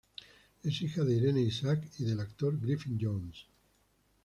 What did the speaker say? Es hija de Irene Isaac y del actor Griffith Jones.